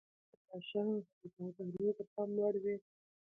ایا د ناتاشا اداګانې د پام وړ وې؟